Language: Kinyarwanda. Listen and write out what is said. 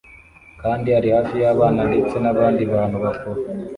kandi ari hafi y'abana ndetse n'abandi bantu bakuru